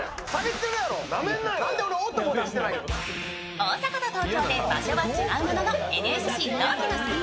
大阪と東京で場所は違うもののＮＳＣ同期の３人。